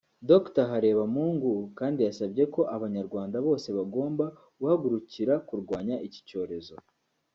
Dr Harebamungu kandi yasabye ko Abanyarwanda bose bagomba guhagurukira kurwanya iki cyorezo